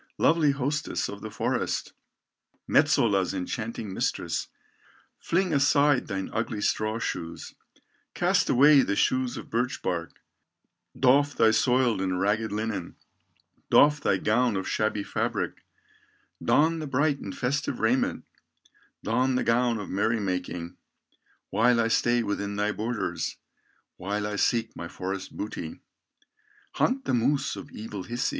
"Lovely hostess of the forest, Metsola's enchanting mistress, Fling aside thine ugly straw shoes, Cast away the shoes of birch bark, Doff thy soiled and ragged linen, Doff thy gown of shabby fabric, Don the bright and festive raiment, Don the gown of merry making, While I stay within thy borders, While I seek my forest booty, Hunt the moose of evil Hisi.